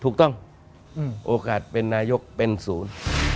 ถูกต้องโอกาสเป็นนาโยคเป็นศูนย์